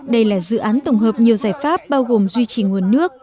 đây là dự án tổng hợp nhiều giải pháp bao gồm duy trì nguồn nước